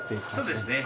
そうですね。